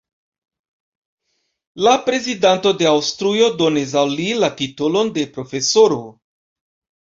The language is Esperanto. La Prezidanto de Aŭstrujo donis al li la titolon de "profesoro".